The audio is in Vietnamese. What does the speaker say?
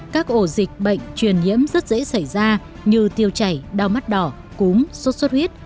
các ổ dịch bệnh truyền nhiễm rất dễ xảy ra như tiêu chảy đau mắt đỏ cúm sốt sốt huyết